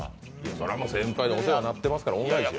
そりゃ先輩でお世話になってますから、恩返しですよ。